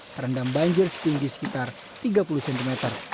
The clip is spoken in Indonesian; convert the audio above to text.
terendam banjir setinggi sekitar tiga puluh cm